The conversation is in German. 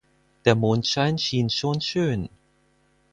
Der Mondschein schien schon schön.